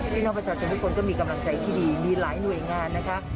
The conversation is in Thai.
พี่น้องประชาชนทุกคนก็มีกำลังใจที่ดีมีหลายหน่วยงานนะคะ